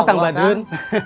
insya allah kang badun